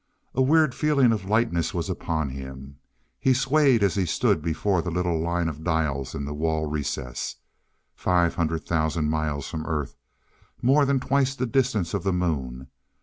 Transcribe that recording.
A weird feeling of lightness was upon him; he swayed as he stood before the little line of dials in the wall recess. Five hundred thousand miles from Earth. More than twice the distance of the Moon.